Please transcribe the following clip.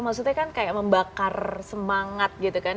maksudnya kan kayak membakar semangat gitu kan